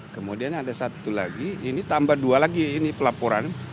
kemudian ada satu lagi ini tambah dua lagi ini pelaporan